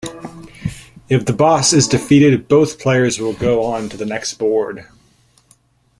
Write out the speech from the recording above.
If the boss is defeated, both players will go on to the next board.